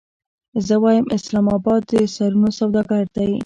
زه وایم اسلام اباد د سرونو سوداګر دی.